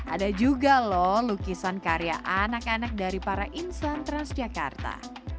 ada juga loh lukisan karya anak anak dari para insan transjakarta